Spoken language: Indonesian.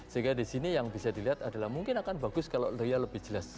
sehingga di sini yang bisa dilihat adalah mungkin akan bagus kalau ria lebih jelas